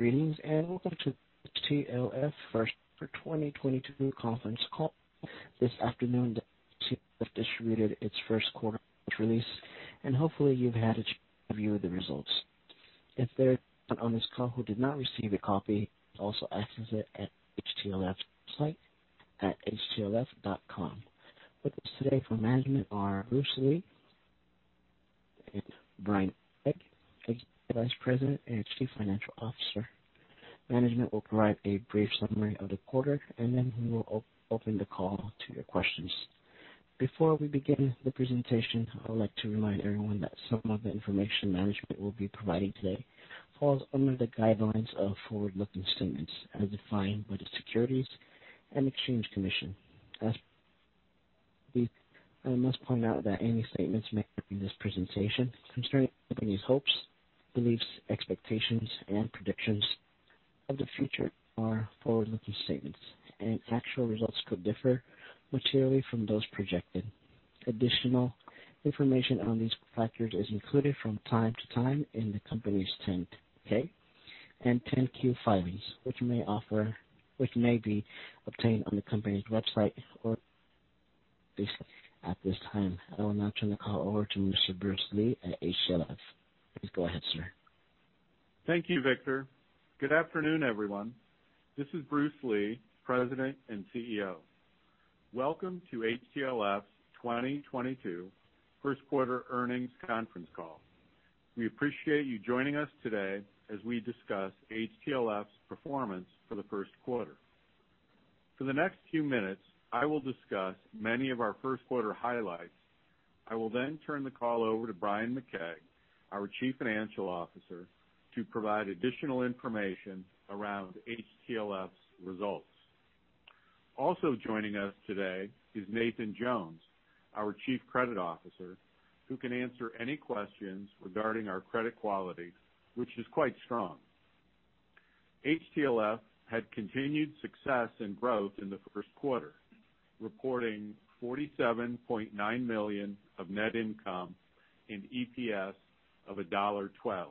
Greetings, welcome to HTLF's first for 2022 conference call. This afternoon, HTLF distributed its first quarter release, and hopefully you've had a chance to review the results. If there's anyone on this call who did not receive a copy, you can also access it at HTLF's website at htlf.com. With us today for management are Bruce Lee and Bryan McKeag, Vice President and Chief Financial Officer. Management will provide a brief summary of the quarter, and then we will open the call to your questions. Before we begin the presentation, I would like to remind everyone that some of the information management will be providing today falls under the guidelines of forward-looking statements as defined by the Securities and Exchange Commission. As we must point out that any statements made during this presentation concerning the company's hopes, beliefs, expectations, and predictions of the future are forward-looking statements, and actual results could differ materially from those projected. Additional information on these factors is included from time to time in the company's 10-K and 10-Q filings, which may be obtained on the company's website or. At this time, I will now turn the call over to Mr. Bruce Lee at HTLF. Please go ahead, sir. Thank you, Victor. Good afternoon, everyone. This is Bruce Lee, President and CEO. Welcome to HTLF's 2022 first quarter earnings conference call. We appreciate you joining us today as we discuss HTLF's performance for the first quarter. For the next few minutes, I will discuss many of our first quarter highlights. I will then turn the call over to Bryan McKeag, our Chief Financial Officer, to provide additional information around HTLF's results. Also joining us today is Nathan Jones, our Chief Credit Officer, who can answer any questions regarding our credit quality, which is quite strong. HTLF had continued success and growth in the first quarter, reporting $47.9 million of net income and EPS of $1.12.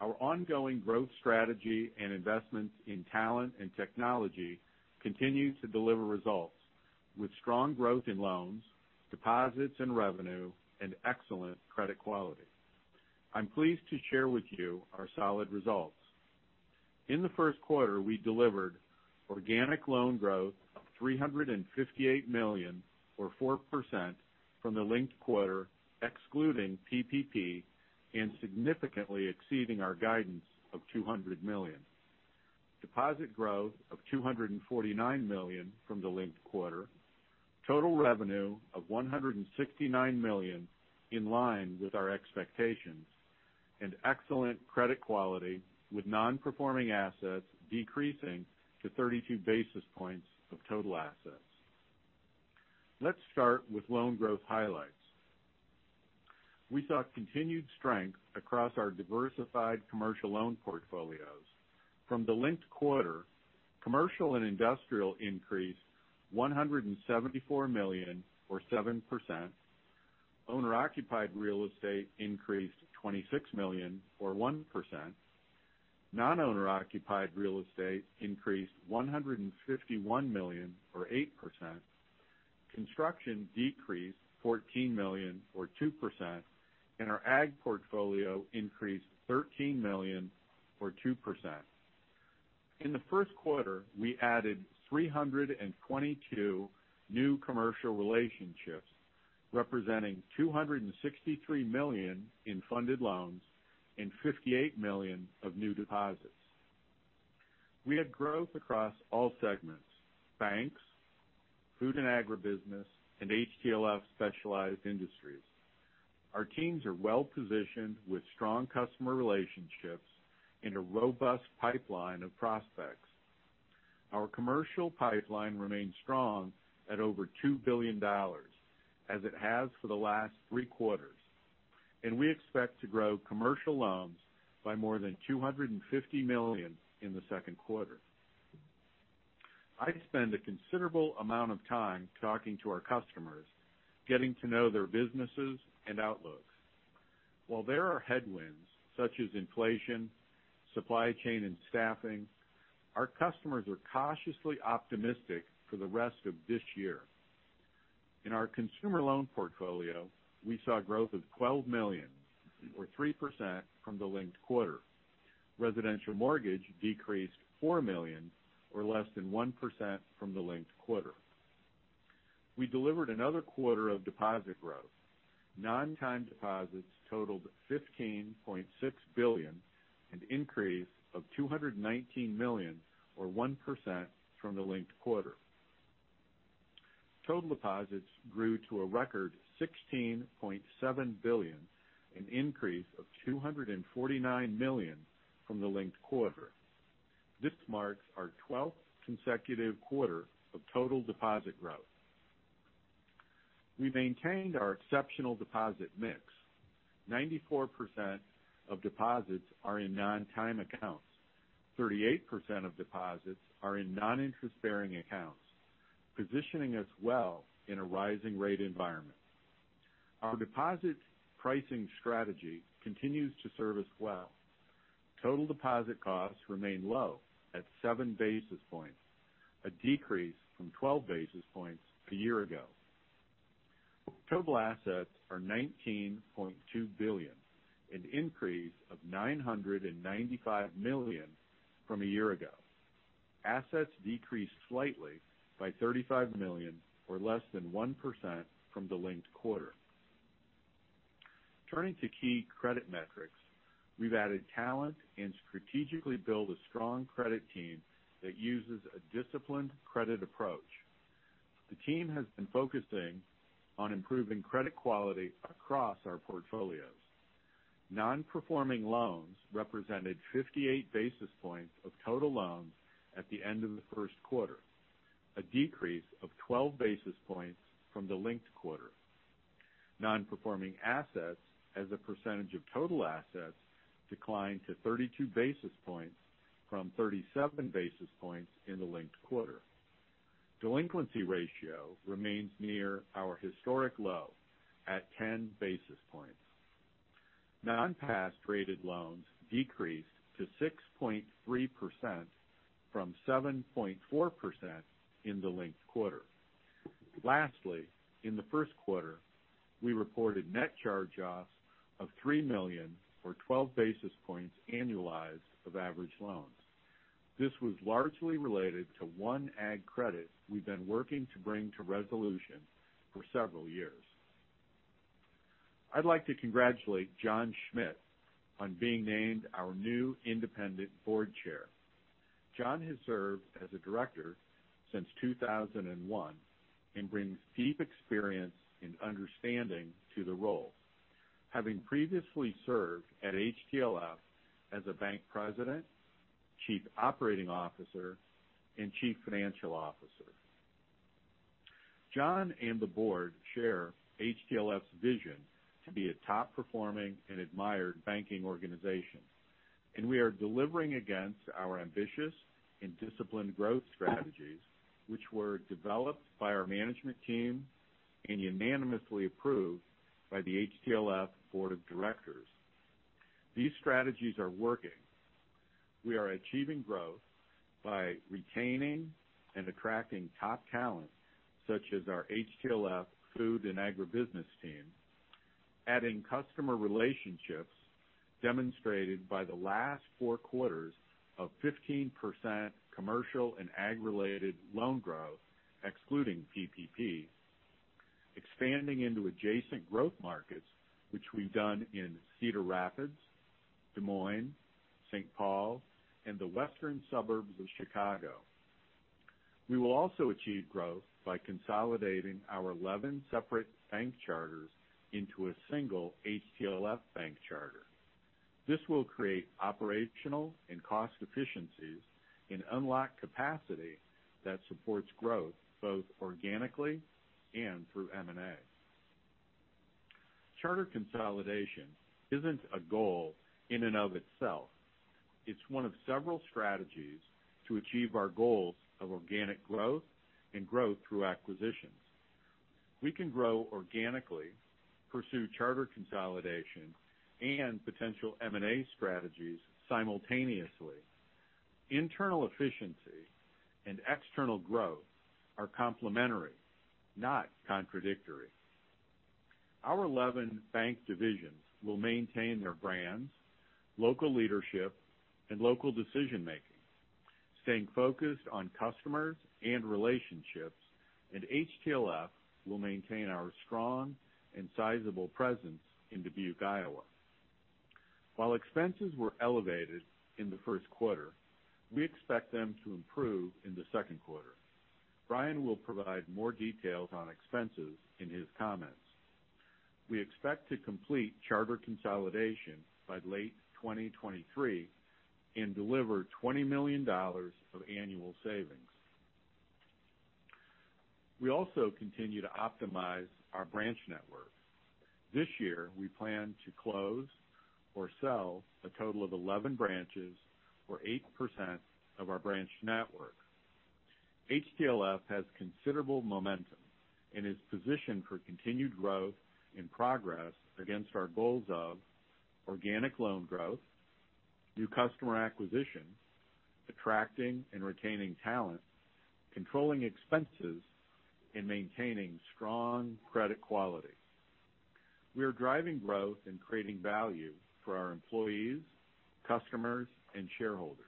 Our ongoing growth strategy and investments in talent and technology continue to deliver results, with strong growth in loans, deposits, and revenue, and excellent credit quality. I'm pleased to share with you our solid results. In the first quarter, we delivered organic loan growth of $358 million or 4% from the linked quarter, excluding PPP, and significantly exceeding our guidance of $200 million. Deposit growth of $249 million from the linked quarter. Total revenue of $169 million, in line with our expectations and excellent credit quality with non-performing assets decreasing to 32 basis points of total assets. Let's start with loan growth highlights. We saw continued strength across our diversified commercial loan portfolios. From the linked quarter, commercial and industrial increased $174 million or 7%. Owner-occupied real estate increased $26 million or 1%. Non-owner occupied real estate increased $151 million or 8%. Construction decreased $14 million or 2%. Our ag portfolio increased $13 million or 2%. In the first quarter, we added 322 new commercial relationships, representing $263 million in funded loans and $58 million of new deposits. We had growth across all segments, banks, Food and AgriBusiness, and HTLF Specialized Industries. Our teams are well-positioned with strong customer relationships and a robust pipeline of prospects. Our commercial pipeline remains strong at over $2 billion, as it has for the last three quarters, and we expect to grow commercial loans by more than $250 million in the second quarter. I spend a considerable amount of time talking to our customers, getting to know their businesses and outlooks. While there are headwinds such as inflation, supply chain and staffing, our customers are cautiously optimistic for the rest of this year. In our consumer loan portfolio, we saw growth of $12 million or 3% from the linked quarter. Residential mortgage decreased $4 million or less than 1% from the linked quarter. We delivered another quarter of deposit growth. Non-time deposits totaled $15.6 billion, an increase of $219 million or 1% from the linked quarter. Total deposits grew to a record $16.7 billion, an increase of $249 million from the linked quarter. This marks our 12th consecutive quarter of total deposit growth. We maintained our exceptional deposit mix. 94% of deposits are in non-time accounts. 38% of deposits are in non-interest-bearing accounts, positioning us well in a rising rate environment. Our deposit pricing strategy continues to serve us well. Total deposit costs remain low at seven basis points, a decrease from 12 basis points a year ago. Total assets are $19.2 billion, an increase of $995 million from a year ago. Assets decreased slightly by $35 million or less than 1% from the linked quarter. Turning to key credit metrics. We've added talent and strategically build a strong credit team that uses a disciplined credit approach. The team has been focusing on improving credit quality across our portfolios. Non-performing loans represented 58 basis points of total loans at the end of the first quarter, a decrease of 12 basis points from the linked quarter. Non-performing assets as a percentage of total assets declined to 32 basis points from 37 basis points in the linked quarter. Delinquency ratio remains near our historic low at 10 basis points. Non-pass rated loans decreased to 6.3% from 7.4% in the linked quarter. Lastly, in the first quarter, we reported net charge-offs of $3 million or 12 basis points annualized of average loans. This was largely related to one ag credit we've been working to bring to resolution for several years. I'd like to congratulate John Schmidt on being named our new independent board chair. John has served as a director since 2001 and brings deep experience and understanding to the role, having previously served at HTLF as a bank President, Chief Operating Officer, and Chief Financial Officer. John and the board share HTLF's vision to be a top-performing and admired banking organization, and we are delivering against our ambitious and disciplined growth strategies, which were developed by our Management Team and unanimously approved by the HTLF Board of Directors. These strategies are working. We are achieving growth by retaining and attracting top talent such as our HTLF Food & AgriBusiness team, adding customer relationships demonstrated by the last four quarters of 15% commercial and ag-related loan growth excluding PPP, and expanding into adjacent growth markets which we've done in Cedar Rapids, Des Moines, St. Paul, and the western suburbs of Chicago. We will also achieve growth by consolidating our 11 separate bank charters into a single HTLF Bank charter. This will create operational and cost efficiencies and unlock capacity that supports growth both organically and through M&A. Charter consolidation isn't a goal in and of itself. It's one of several strategies to achieve our goals of organic growth and growth through acquisitions. We can grow organically, pursue charter consolidation, and potential M&A strategies simultaneously. Internal efficiency and external growth are complementary, not contradictory. Our 11 bank divisions will maintain their brands, local leadership, and local decision-making. Staying focused on customers and relationships, and HTLF will maintain our strong and sizable presence in Dubuque, Iowa. While expenses were elevated in the first quarter, we expect them to improve in the second quarter. Bryan will provide more details on expenses in his comments. We expect to complete charter consolidation by late 2023 and deliver $20 million of annual savings. We also continue to optimize our branch network. This year, we plan to close or sell a total of 11 branches or 8% of our branch network. HTLF has considerable momentum and is positioned for continued growth and progress against our goals of organic loan growth, new customer acquisition, attracting and retaining talent, controlling expenses, and maintaining strong credit quality. We are driving growth and creating value for our employees, customers, and shareholders.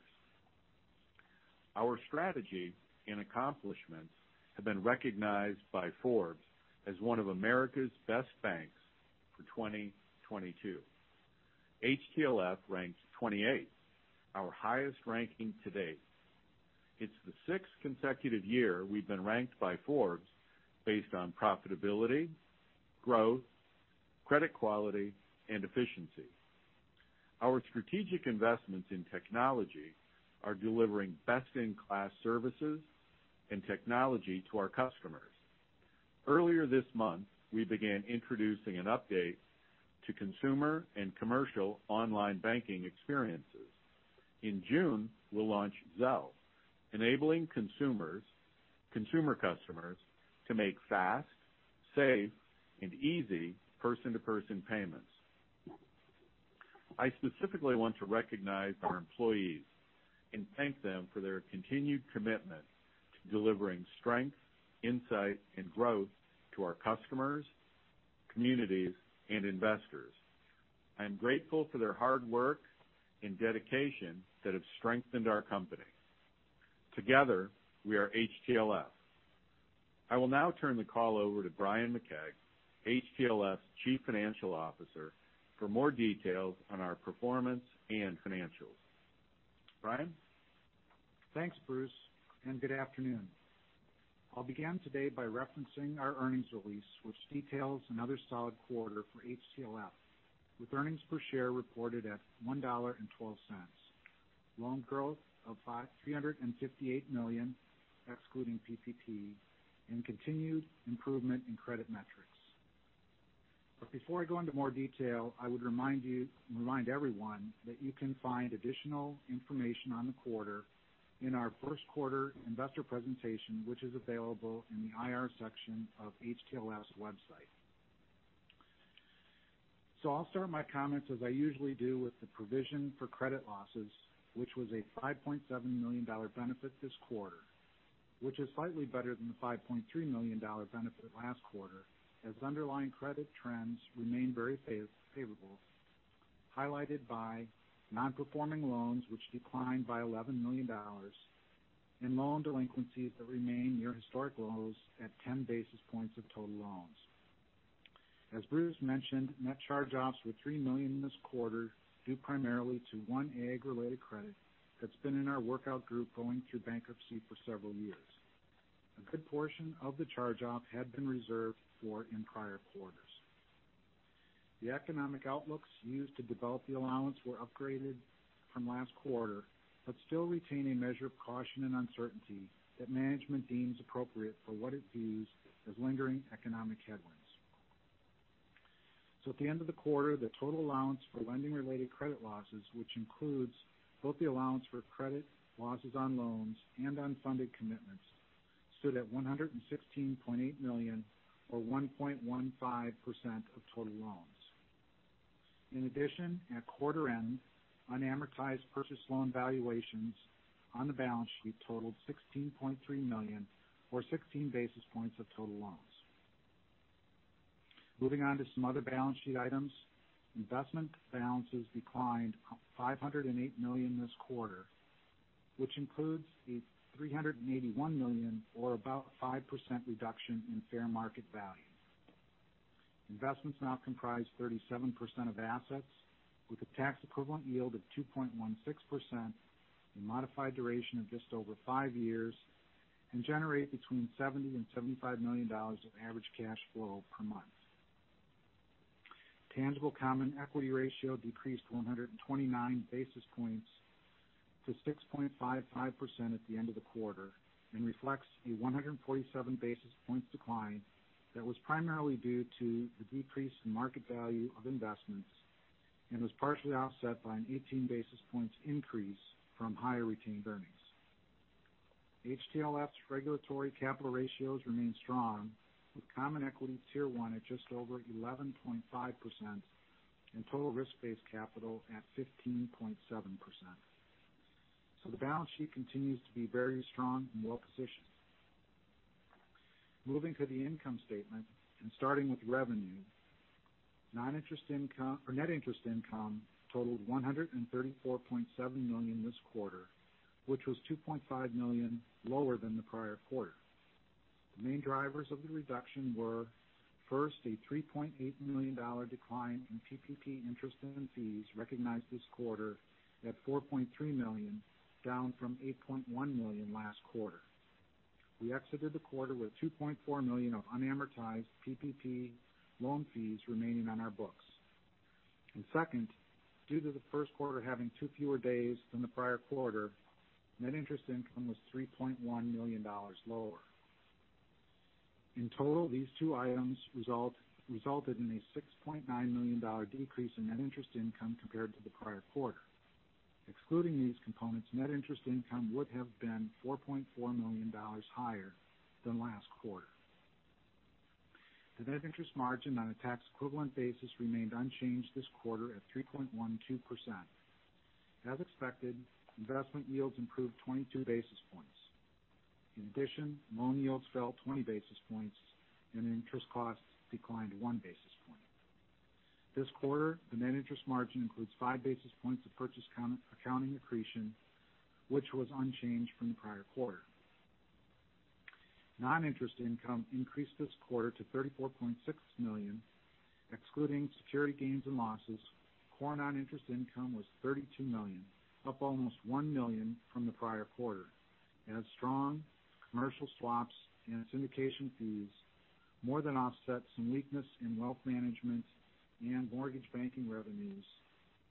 Our strategy and accomplishments have been recognized by Forbes as one of America's Best Banks for 2022. HTLF ranks 28, our highest ranking to date. It's the sixth consecutive year we've been ranked by Forbes based on profitability, growth, credit quality, and efficiency. Our strategic investments in technology are delivering best-in-class services and technology to our customers. Earlier this month, we began introducing an update to consumer and commercial online banking experiences. In June, we'll launch Zelle, enabling consumer customers to make fast, safe, and easy person-to-person payments. I specifically want to recognize our employees and thank them for their continued commitment to delivering strength, insight, and growth to our customers, communities, and investors. I am grateful for their hard work and dedication that have strengthened our company. Together, we are HTLF. I will now turn the call over to Bryan McKeag, HTLF's Chief Financial Officer, for more details on our performance and financials. Bryan? Thanks, Bruce, and good afternoon. I'll begin today by referencing our earnings release, which details another solid quarter for HTLF, with Earnings Per Share reported at $1.12, loan growth of $358 million excluding PPP, and continued improvement in credit metrics. Before I go into more detail, I would remind everyone that you can find additional information on the quarter in our first quarter investor presentation, which is available in the IR section of HTLF's website. I'll start my comments as I usually do with the provision for credit losses, which was a $5.7 million benefit this quarter, which is slightly better than the $5.3 million benefit last quarter, as underlying credit trends remain very favorable, highlighted by non-performing loans, which declined by $11 million, and loan delinquencies that remain near historic lows at 10 basis points of total loans. As Bruce mentioned, net charge-offs were $3 million this quarter, due primarily to one AG-related credit that's been in our workout group going through bankruptcy for several years. A good portion of the charge-off had been reserved for in prior quarters. The economic outlooks used to develop the allowance were upgraded from last quarter, but still retain a measure of caution and uncertainty that management deems appropriate for what it views as lingering economic headwinds. At the end of the quarter, the total allowance for lending-related credit losses, which includes both the allowance for credit losses on loans and unfunded commitments, stood at $116.8 million or 1.15% of total loans. In addition, at quarter end, unamortized purchase loan valuations on the balance sheet totaled $16.3 million or 16 basis points of total loans. Moving on to some other balance sheet items. Investment balances declined $508 million this quarter, which includes a $381 million or about 5% reduction in fair market value. Investments now comprise 37% of assets with a tax-equivalent yield of 2.16% and modified duration of just over five years and generate between $70 million and $75 million of average cash flow per month. Tangible common equity ratio decreased 129 basis points to 6.55% at the end of the quarter and reflects a 147 basis points decline that was primarily due to the decrease in market value of investments and was partially offset by an 18 basis points increase from higher retained earnings. HTLF's regulatory capital ratios remain strong with common equity tier one at just over 11.5% and total risk-based capital at 15.7%. The balance sheet continues to be very strong and well-positioned. Moving to the income statement and starting with revenue. Non-interest income, or net interest income totaled $134.7 million this quarter, which was $2.5 million lower than the prior quarter. The main drivers of the reduction were, first, a $3.8 million decline in PPP interest and fees recognized this quarter at $4.3 million, down from $8.1 million last quarter. We exited the quarter with $2.4 million of unamortized PPP loan fees remaining on our books. Second, due to the first quarter having two fewer days than the prior quarter, net interest income was $3.1 million lower. In total, these two items resulted in a $6.9 million decrease in net interest income compared to the prior quarter. Excluding these components, net interest income would have been $4.4 million higher than last quarter. The net interest margin on a tax-equivalent basis remained unchanged this quarter at 3.12%. As expected, investment yields improved 22 basis points. In addition, loan yields fell 20 basis points and interest costs declined one basis point. This quarter, the net interest margin includes five basis points of purchase accounting accretion, which was unchanged from the prior quarter. Non-interest income increased this quarter to $34.6 million. Excluding security gains and losses, core non-interest income was $32 million, up almost $1 million from the prior quarter as strong commercial swaps and syndication fees more than offset some weakness in wealth management and mortgage banking revenues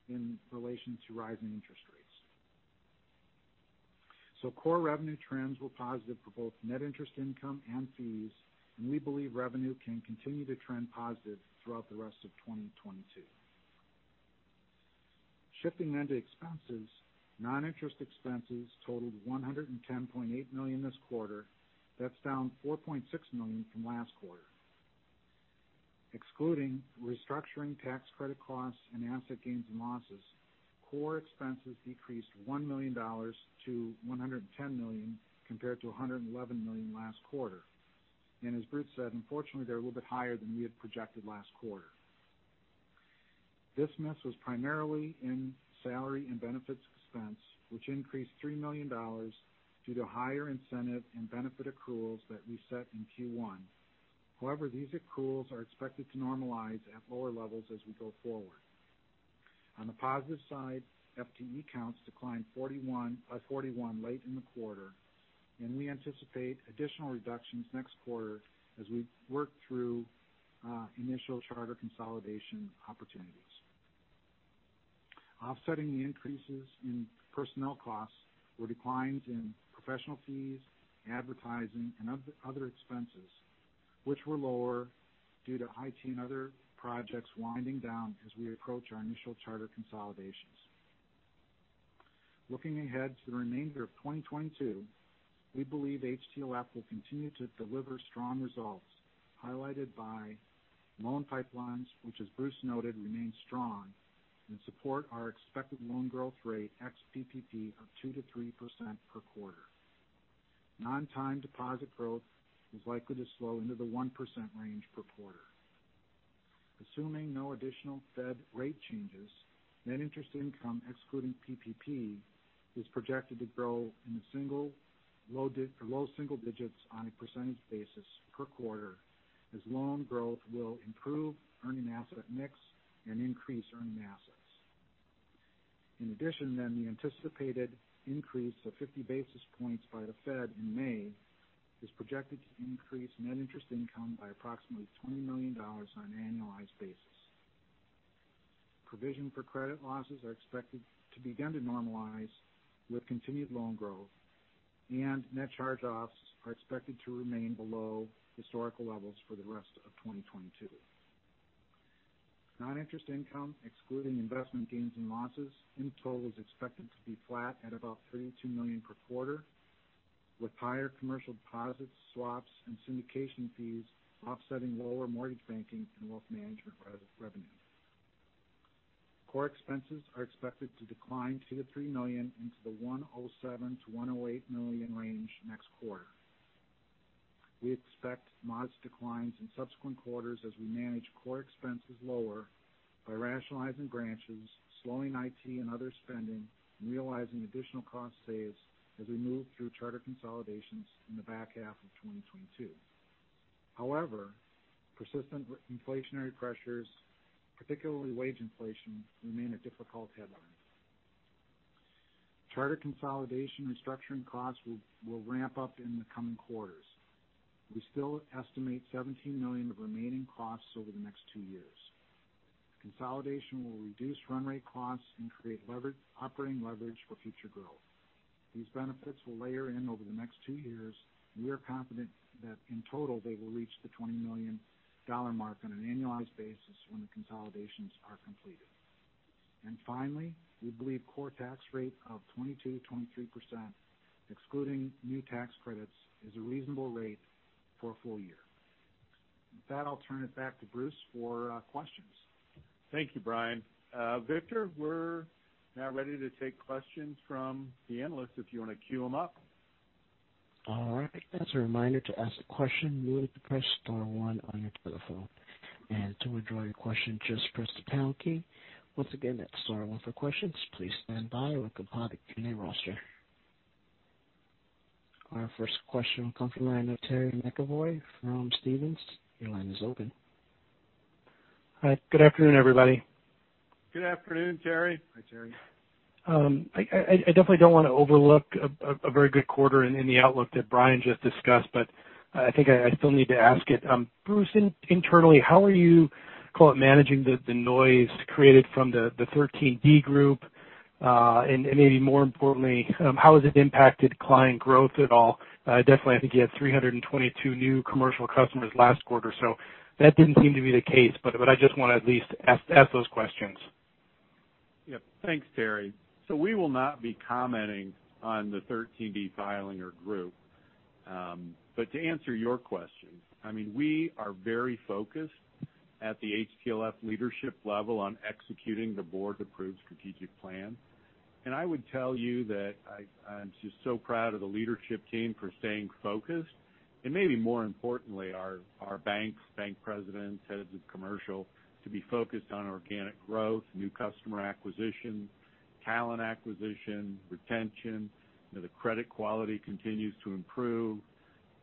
in relation to rising interest rates. Core revenue trends were positive for both net interest income and fees, and we believe revenue can continue to trend positive throughout the rest of 2022. Shifting to expenses. Non-interest expenses totaled $110.8 million this quarter. That's down $4.6 million from last quarter. Excluding restructuring tax credit costs and asset gains and losses, core expenses decreased $1 million-$110 million compared to $111 million last quarter. As Bruce said, unfortunately, they're a little bit higher than we had projected last quarter. This miss was primarily in salary and benefits expense, which increased $3 million due to higher incentive and benefit accruals that we set in Q1. However, these accruals are expected to normalize at lower levels as we go forward. On the positive side, FTE counts declined 41 late in the quarter, and we anticipate additional reductions next quarter as we work through initial charter consolidation opportunities. Offsetting the increases in personnel costs were declines in professional fees, advertising, and other expenses, which were lower due to IT and other projects winding down as we approach our initial charter consolidations. Looking ahead to the remainder of 2022, we believe HTLF will continue to deliver strong results, highlighted by loan pipelines which, as Bruce noted, remain strong and support our expected loan growth rate ex-PPP of 2%-3% per quarter. Non-time deposit growth is likely to slow into the 1% range per quarter. Assuming no additional Fed rate changes, net interest income excluding PPP is projected to grow in the low single digits on a percentage basis per quarter as loan growth will improve earning asset mix and increase earning assets. In addition, the anticipated increase of 50 basis points by the Fed in May is projected to increase net interest income by approximately $20 million on an annualized basis. Provision for credit losses are expected to begin to normalize with continued loan growth, and net charge-offs are expected to remain below historical levels for the rest of 2022. Non-interest income, excluding investment gains and losses in total, is expected to be flat at about $32 million per quarter, with higher commercial deposits, swaps, and syndication fees offsetting lower mortgage banking and wealth management revenue. Core expenses are expected to decline $2 million-$3 million into the $107 million-$108 million range next quarter. We expect modest declines in subsequent quarters as we manage core expenses lower by rationalizing branches, slowing IT and other spending, and realizing additional cost saves as we move through charter consolidations in the back half of 2022. However, persistent inflationary pressures, particularly wage inflation, remain a difficult headline. Charter consolidation restructuring costs will ramp up in the coming quarters. We still estimate $17 million of remaining costs over the next two years. Consolidation will reduce run rate costs and create leverage, operating leverage for future growth. These benefits will layer in over the next two years, and we are confident that in total they will reach the $20 million mark on an annualized basis when the consolidations are completed. Finally, we believe core tax rate of 22%-23%, excluding new tax credits, is a reasonable rate for a full year. With that, I'll turn it back to Bruce for questions. Thank you, Bryan. Victor, we're now ready to take questions from the analysts if you want to queue them up. All right. As a reminder to ask a question, you will need to press star one on your telephone. To withdraw your question, just press the pound key. Once again, that's star one for questions. Please stand by while we compile the Q&A roster. Our first question will come from the line of Terry McEvoy from Stephens. Your line is open. Hi. Good afternoon, everybody. Good afternoon, Terry. Hi, Terry. I definitely don't want to overlook a very good quarter in the outlook that Brian just discussed, but I think I still need to ask it. Bruce, internally, how are you, call it managing the noise created from the 13D group? Maybe more importantly, how has it impacted client growth at all? Definitely, I think you had 322 new commercial customers last quarter, so that didn't seem to be the case, but I just want to at least ask those questions. Yeah. Thanks, Terry. We will not be commenting on the 13D filing or group. But to answer your question, I mean, we are very focused at the HTLF leadership level on executing the board-approved strategic plan. I would tell you that I'm just so proud of the leadership team for staying focused. Maybe more importantly, our banks, bank presidents, heads of commercial to be focused on organic growth, new customer acquisition, talent acquisition, retention, you know, the credit quality continues to improve,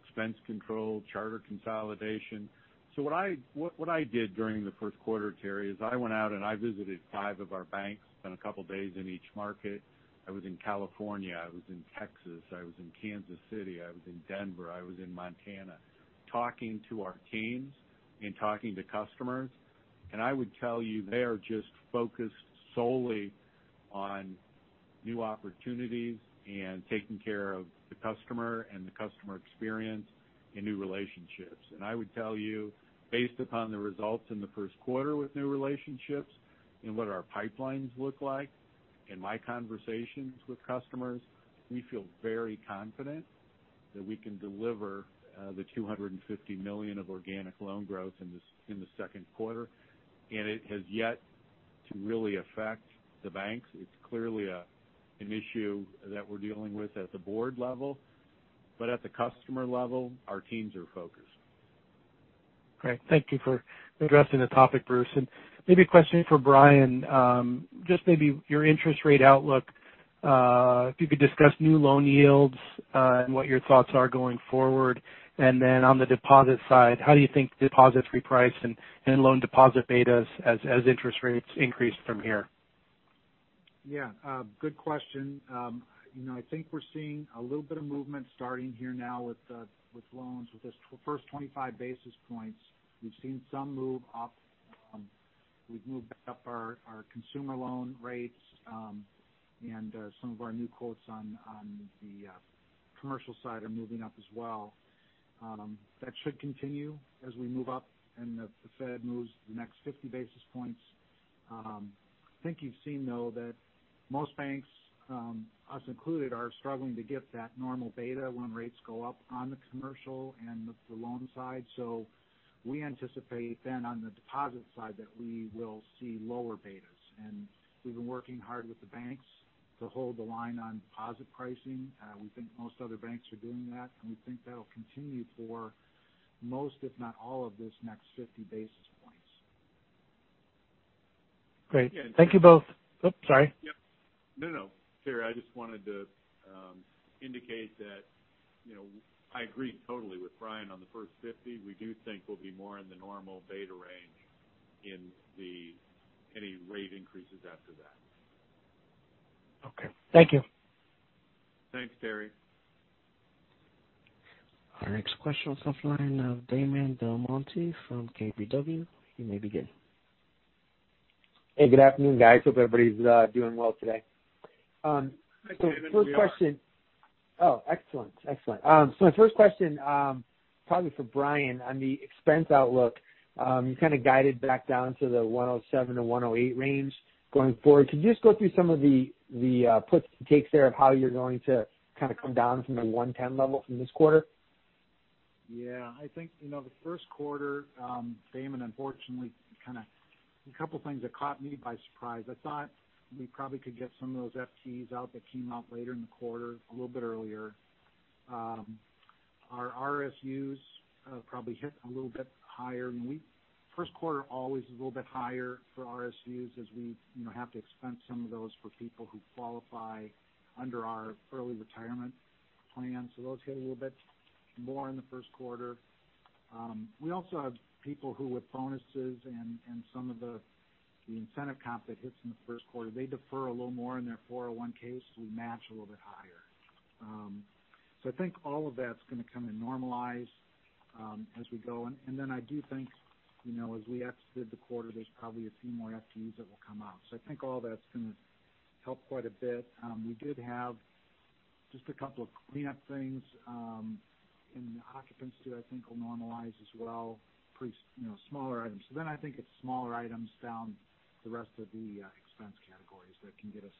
expense control, charter consolidation. What I did during the first quarter, Terry, is I went out and I visited five of our banks, spent a couple days in each market. I was in California, I was in Texas, I was in Kansas City, I was in Denver, I was in Montana, talking to our teams and talking to customers. I would tell you they are just focused solely on new opportunities and taking care of the customer and the customer experience in new relationships. I would tell you, based upon the results in the first quarter with new relationships and what our pipelines look like, in my conversations with customers, we feel very confident that we can deliver the $250 million of organic loan growth in the second quarter. It has yet to really affect the banks. It's clearly an issue that we're dealing with at the board level. At the customer level, our teams are focused. Great. Thank you for addressing the topic, Bruce. Maybe a question for Bryan, just maybe your interest rate outlook. If you could discuss new loan yields and what your thoughts are going forward. Then on the deposit side, how do you think deposits reprice and loan and deposit betas as interest rates increase from here? Yeah, good question. You know, I think we're seeing a little bit of movement starting here now with loans. With this first 25 basis points, we've seen some move up. We've moved back up our consumer loan rates, and some of our new quotes on the commercial side are moving up as well. That should continue as we move up and the Fed moves the next 50 basis points. I think you've seen, though, that most banks, us included, are struggling to get that normal beta when rates go up on the commercial and the loan side. We anticipate then on the deposit side that we will see lower betas. We've been working hard with the banks to hold the line on deposit pricing. We think most other banks are doing that, and we think that'll continue for most, if not all, of this next 50 basis points. Great. Thank you both. Oops, sorry. Yeah. No, no. Terry, I just wanted to indicate that, you know, I agree totally with Bryan on the first 50. We do think we'll be more in the normal beta range in any rate increases after that. Okay. Thank you. Thanks, Terry. Our next question is off the line of Damon DelMonte from KBW. You may begin. Hey, good afternoon, guys. Hope everybody's doing well today. First question. Hi, Damon. We are. Oh, excellent. My first question, probably for Bryan on the expense outlook. You kind of guided back down to the $107-$108 range going forward. Could you just go through some of the puts and takes there of how you're going to kind of come down from the $110 level from this quarter? Yeah. I think, you know, the first quarter, Damon, unfortunately kind of a couple things that caught me by surprise. I thought we probably could get some of those FTEs out that came out later in the quarter a little bit earlier. Our RSUs probably hit a little bit higher. First quarter always is a little bit higher for RSUs as we, you know, have to expense some of those for people who qualify under our early retirement plan. Those hit a little bit more in the first quarter. We also have people who, with bonuses and some of the incentive comp that hits in the first quarter, they defer a little more in their 401(k)s, we match a little bit higher. I think all of that's gonna kind of normalize as we go. I do think as we exited the quarter, there's probably a few more FTEs that will come out. I think all that's gonna help quite a bit. We did have just a couple of cleanup things, and the occupancy I think will normalize as well, plus smaller items. I think it's smaller items down the rest of the expense categories that can get us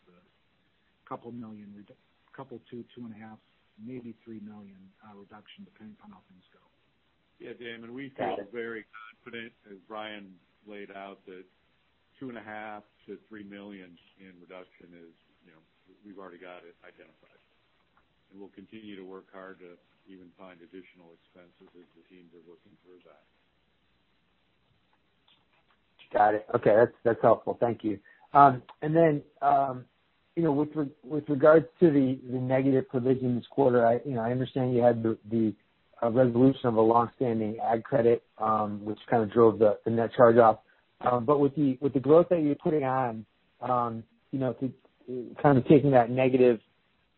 $2 million-$2.5 million, maybe $3 million reduction, depending upon how things go. Yeah, Damon, we feel very confident, as Bryan laid out, that $2.5 million-$3 million in reduction is, you know, we've already got it identified. We'll continue to work hard to even find additional expenses as the teams are looking through that. Got it. Okay. That's helpful. Thank you. You know, with regards to the negative provision this quarter, you know, I understand you had the resolution of a long-standing ag credit, which kind of drove the net charge off. But with the growth that you're putting on, you know, to kind of taking that negative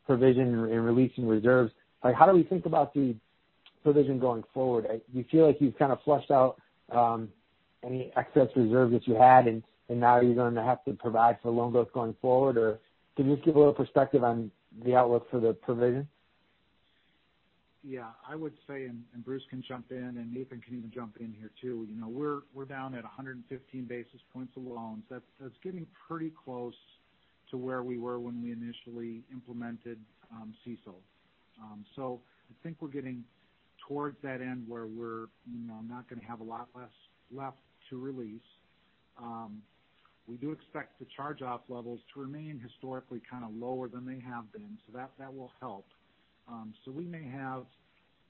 provision and releasing reserves, like, how do we think about the provision going forward? You feel like you've kind of flushed out any excess reserve that you had and now you're going to have to provide for loan growth going forward? Or can you just give a little perspective on the outlook for the provision? Yeah. I would say, and Bruce can jump in, and Nathan can even jump in here too. You know, we're down at 115 basis points of loans. That's getting pretty close to where we were when we initially implemented CECL. I think we're getting towards that end where we're, you know, not gonna have a lot less left to release. We do expect the charge-off levels to remain historically kind of lower than they have been, so that will help. We may have,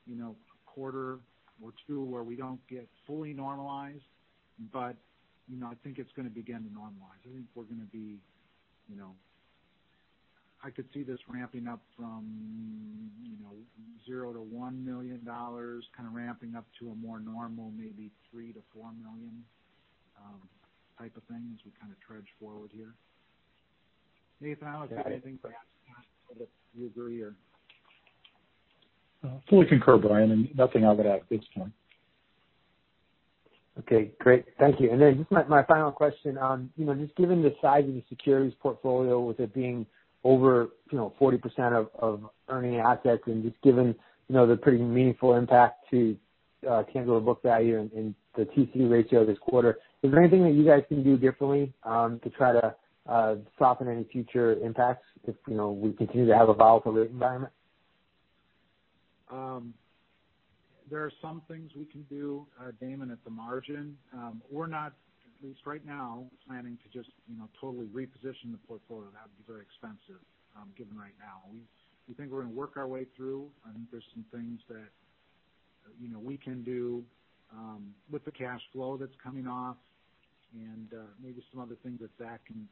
you know, a quarter or two where we don't get fully normalized, but, you know, I think it's gonna begin to normalize. I think we're gonna be, you know. I could see this ramping up from, you know, $0-$1 million, kind of ramping up to a more normal maybe $3 million-$4 million type of thing as we kind of trudge forward here. Nathan, have you got anything to add to that, whether you agree. Fully concur, Bryan, and nothing I would add at this point. Okay, great. Thank you. Just my final question on, you know, just given the size of the securities portfolio, with it being over, you know, 40% of earning assets and just given, you know, the pretty meaningful impact to tangible book value and the TCE ratio this quarter, is there anything that you guys can do differently to try to soften any future impacts if, you know, we continue to have a volatile rate environment? There are some things we can do, Damon, at the margin. We're not, at least right now, planning to just, you know, totally reposition the portfolio. That would be very expensive, given right now. We think we're gonna work our way through. I think there's some things that, you know, we can do, with the cash flow that's coming off and, maybe some other things that Zach can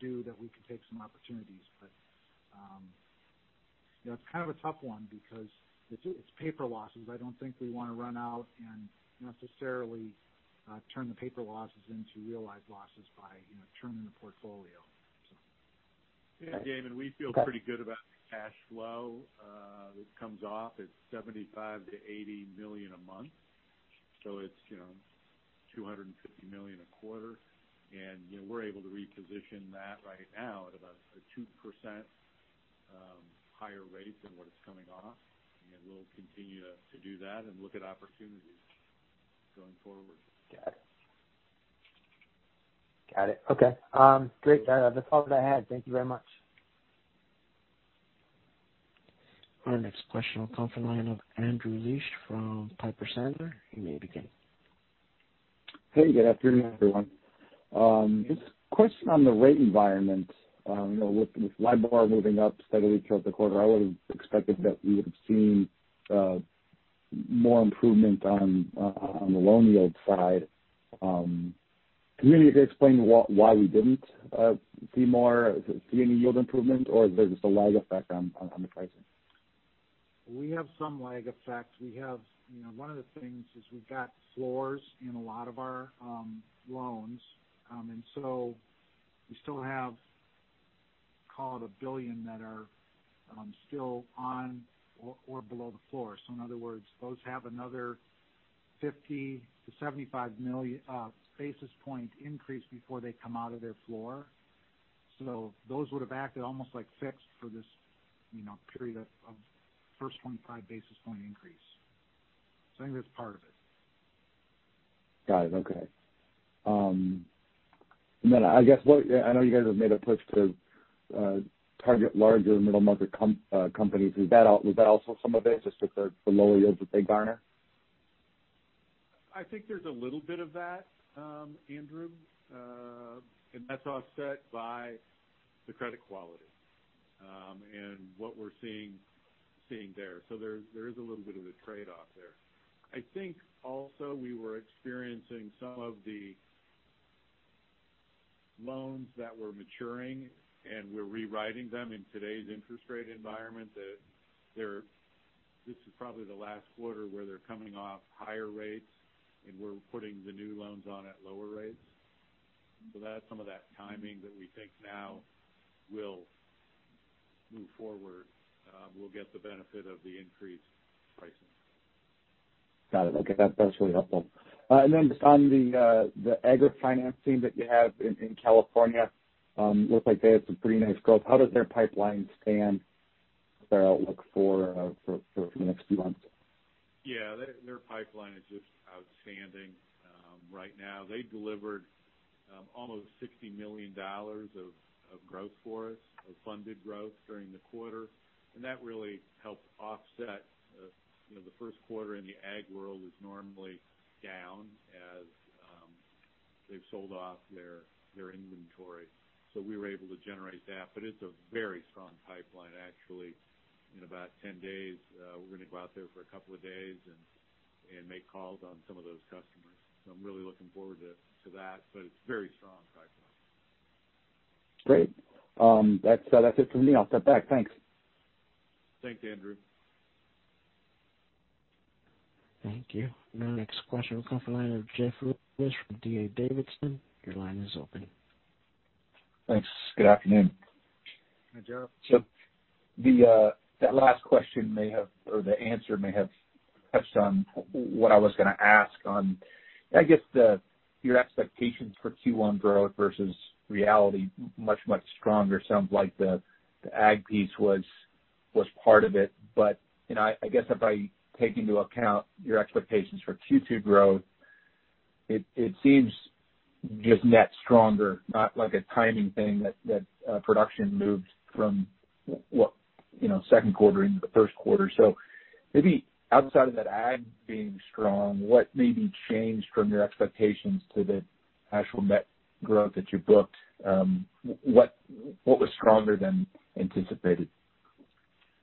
do that we can take some opportunities. But, you know, it's kind of a tough one because it's paper losses. I don't think we wanna run out and necessarily, turn the paper losses into realized losses by, you know, trimming the portfolio. So. Yeah. Damon, we feel pretty good about the cash flow that comes off. It's $75 million-$80 million a month, so it's, you know, $250 million a quarter. You know, we're able to reposition that right now at about a 2% higher rate than what it's coming off. We'll continue to do that and look at opportunities going forward. Got it. Okay. Great. That's all that I had. Thank you very much. Our next question will come from the line of Andrew Liesch from Piper Sandler. You may begin. Hey, good afternoon, everyone. Just a question on the rate environment. You know, with LIBOR moving up steadily throughout the quarter, I would've expected that we would've seen more improvement on the loan yield side. Can you maybe explain why we didn't see any yield improvement, or there's just a lag effect on the pricing? We have some lag effects. We have, you know, one of the things is we've got floors in a lot of our loans. We still have, call it $1 billion that are still on or below the floor. In other words, those have another 50-75 basis point increase before they come out of their floor. Those would have acted almost like fixed for this, you know, period of first 25 basis point increase. I think that's part of it. Got it. Okay. I guess I know you guys have made a push to target larger middle market companies. Was that also some of it, just with the low yields that they garner? I think there's a little bit of that, Andrew. That's offset by the credit quality, and what we're seeing there. There is a little bit of a trade-off there. I think also we were experiencing some of the loans that were maturing, and we're rewriting them in today's interest rate environment. This is probably the last quarter where they're coming off higher rates, and we're putting the new loans on at lower rates. That's some of that timing that we think now will move forward. We'll get the benefit of the increased pricing. Got it. Okay. That's really helpful. Just on the agri-financing that you have in California, looks like they had some pretty nice growth. How does their pipeline stand with their outlook for the next few months? Yeah. Their pipeline is just outstanding. Right now, they delivered almost $60 million of growth for us, of funded growth during the quarter. That really helped offset, you know, the first quarter in the ag world is normally down as they've sold off their inventory. We were able to generate that. It's a very strong pipeline. Actually, in about 10 days, we're gonna go out there for a couple of days and make calls on some of those customers. I'm really looking forward to that, but it's very strong pipeline. Great. That's it for me. I'll step back. Thanks. Thanks, Andrew. Thank you. Our next question will come from the line of Jeff Rulis from D.A. Davidson. Your line is open. Thanks. Good afternoon. Hi, Jeff. The that last question may have, or the answer may have touched on what I was gonna ask on, I guess, your expectations for Q1 growth versus reality much, much stronger. Sounds like the ag piece was part of it. You know, I guess if I take into account your expectations for Q2 growth, it seems just net stronger, not like a timing thing that production moved from what, you know, second quarter into the first quarter. Maybe outside of that ag being strong, what maybe changed from your expectations to the actual net growth that you booked? What was stronger than anticipated?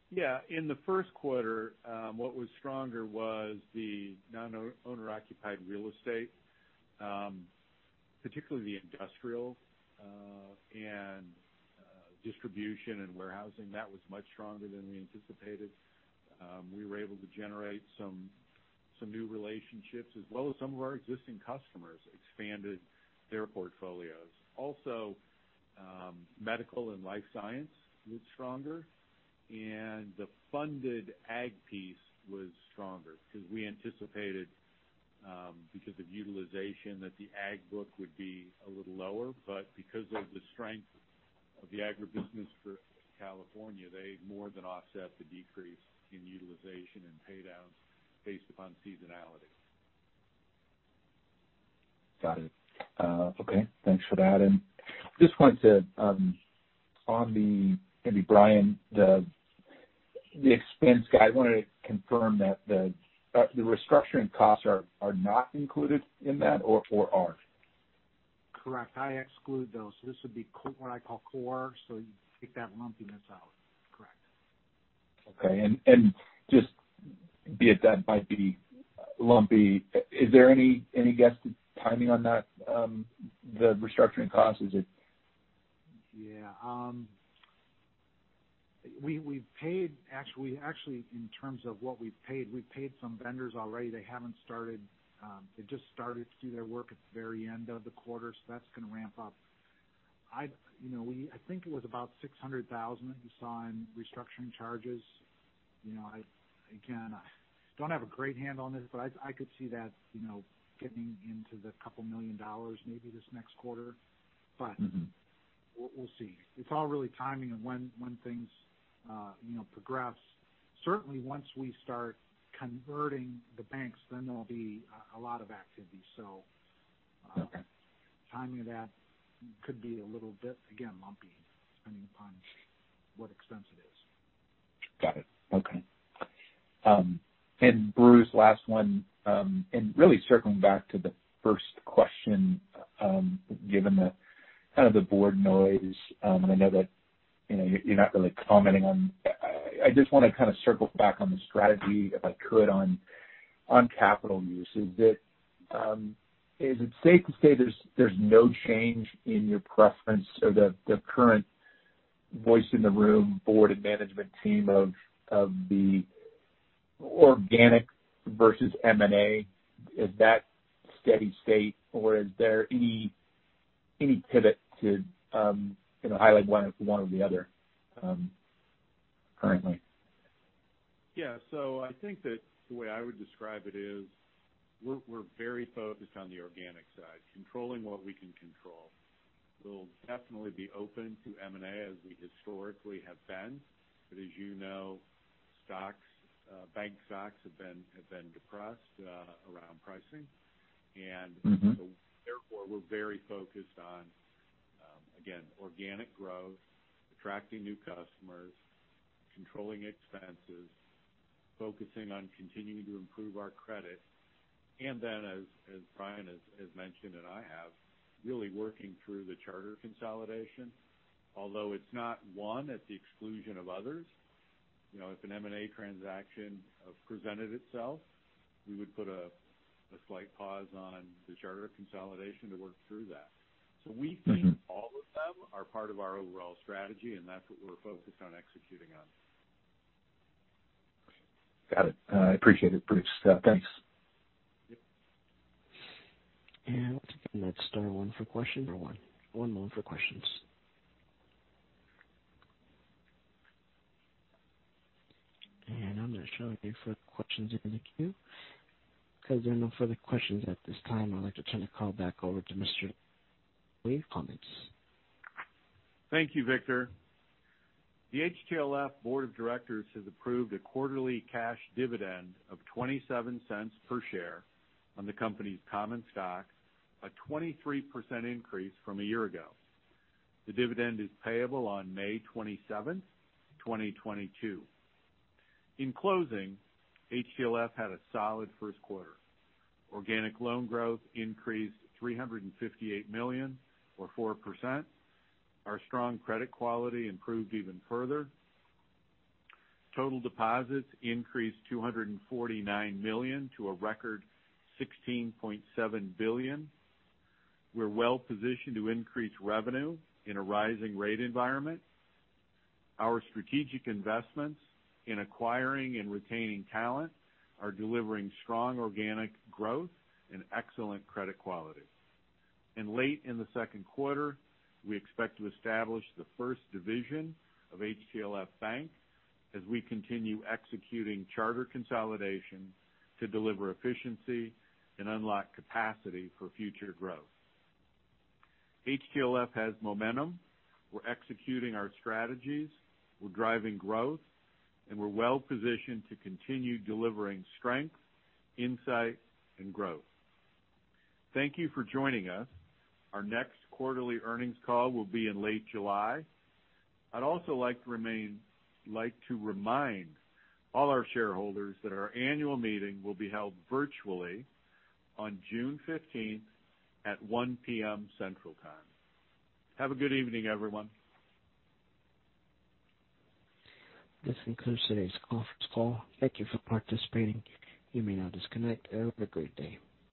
Yeah. In the first quarter, what was stronger was the non-owner occupied real estate, particularly the industrial, and, distribution and warehousing. That was much stronger than we anticipated. We were able to generate some new relationships as well as some of our existing customers expanded their portfolios. Also, medical and life science was stronger and the funded ag piece was stronger because we anticipated, because of utilization that the ag book would be a little lower, but because of the strength of the agribusiness for California, they more than offset the decrease in utilization and pay down based upon seasonality. Got it. Okay. Thanks for that. Just wanted to maybe Bryan, the expense guidance, I wanted to confirm that the restructuring costs are not included in that or are? Correct. I exclude those. This would be what I call core. You take that lumpiness out. Correct. Okay. Just be aware that might be lumpy. Is there any guessed timing on that, the restructuring cost? Is it. We actually, in terms of what we've paid some vendors already. They haven't started, they just started to do their work at the very end of the quarter. So that's gonna ramp up. You know, I think it was about $600,000 you saw in restructuring charges. You know, again, I don't have a great handle on this, but I could see that, you know, getting into $2 million maybe this next quarter. Mm-hmm. We'll see. It's all really timing of when things, you know, progress. Certainly once we start converting the banks, then there'll be a lot of activity. Okay. Timing of that could be a little bit, again, lumpy, depending upon what expense it is. Got it. Okay. Bruce, last one. Really circling back to the first question, given the kind of the board noise, and I know that, you know, you're not really commenting on. I just wanna kind of circle back on the strategy, if I could, on capital use. Is it safe to say there's no change in your preference or the current voice in the room, board, and management team of the organic versus M&A? Is that steady state or is there any pivot to, you know, highlight one or the other, currently? Yeah. I think that the way I would describe it is we're very focused on the organic side, controlling what we can control. We'll definitely be open to M&A as we historically have been. As you know, stocks, bank stocks have been depressed around pricing. Mm-hmm. We're very focused on again, organic growth, attracting new customers, controlling expenses, focusing on continuing to improve our credit. As Bryan has mentioned, and I have really working through the charter consolidation. Although it's not one at the exclusion of others. You know, if an M&A transaction presented itself, we would put a slight pause on the charter consolidation to work through that. Mm-hmm. We think all of them are part of our overall strategy, and that's what we're focused on executing on. Got it. I appreciate it, Bruce. Thanks. Yep. Because there are no further questions at this time, I'd like to turn the call back over to Mr. Bruce Lee. Thank you, Victor. The HTLF board of directors has approved a quarterly cash dividend of $0.27 per share on the company's common stock, a 23% increase from a year ago. The dividend is payable on May 27, 2022. In closing, HTLF had a solid first quarter. Organic loan growth increased $358 million or 4%. Our strong credit quality improved even further. Total deposits increased $249 million to a record $16.7 billion. We're well positioned to increase revenue in a rising rate environment. Our strategic investments in acquiring and retaining talent are delivering strong organic growth and excellent credit quality. Late in the second quarter, we expect to establish the first division of HTLF Bank as we continue executing charter consolidation to deliver efficiency and unlock capacity for future growth. HTLF has momentum. We're executing our strategies. We're driving growth, and we're well positioned to continue delivering strength, insight, and growth. Thank you for joining us. Our next quarterly earnings call will be in late July. I'd also like to remind all our shareholders that our annual meeting will be held virtually on June 15 at 1:00 P.M. Central Time. Have a good evening, everyone. This concludes today's conference call. Thank you for participating. You may now disconnect. Have a great day.